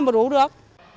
không đủ được